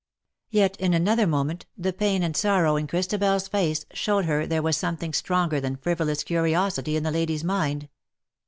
Yet, in another moment, the pain and sorrow in Christabel's face showed her and there was some thing stronger than frivolous curiosity in the lady's mind.